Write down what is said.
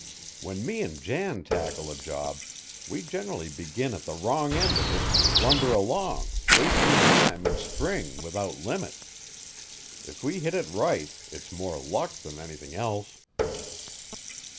When me an' Jan tackle a job, we generally begin at the wrong end of it an' blunder along, wastin' time an' string without limit. If we hit it right it's more luck than anything else."